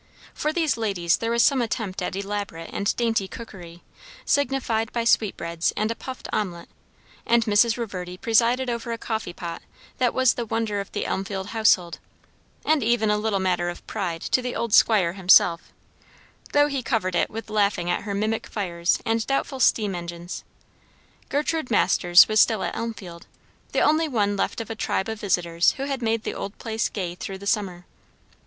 For these ladies there was some attempt at elaborate and dainty cookery, signified by sweetbreads and a puffed omelette; and Mrs. Reverdy presided over a coffee pot that was the wonder of the Elmfield household, and even a little matter of pride to the old squire himself; though he covered it with laughing at her mimic fires and doubtful steam engines. Gertrude Masters was still at Elmfield, the only one left of a tribe of visitors who had made the old place gay through the summer.